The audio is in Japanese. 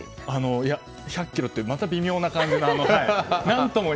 １００ｋｇっていう微妙な感じの。